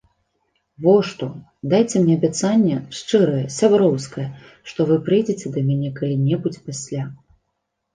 Во што, дайце мне абяцанне, шчырае, сяброўскае, што вы прыйдзеце да мяне калі-небудзь пасля.